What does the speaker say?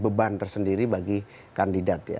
beban tersendiri bagi kandidat